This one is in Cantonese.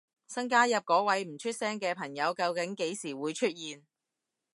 新加入嗰位唔出聲嘅朋友究竟幾時會出現？